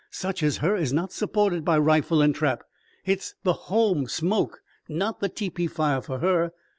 Such as her is not supported by rifle an' trap. Hit's the home smoke, not the tepee fire, for her.